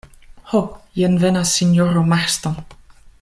Ho, jen venas sinjoro Marston.